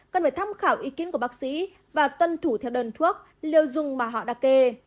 cần phải tham khảo ý kiến của bác sĩ và tuân thủ theo đơn thuốc liều dung mà họ đã kê